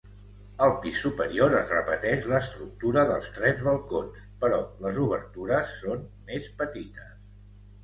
Al pis superior es repeteix l'estructura dels tres balcons però les obertures són més petites.